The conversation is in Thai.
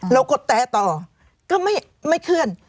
กดแต่ต่อก็ไม่เคลื่อน